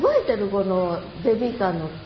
このベビーカー乗って。